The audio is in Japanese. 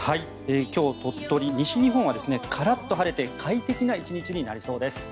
今日、鳥取西日本はカラッと晴れて快適な一日になりそうです。